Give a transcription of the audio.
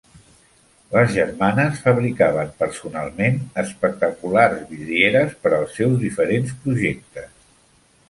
Les germanes fabricaven personalment espectaculars vidrieres per als seus diferents projectes.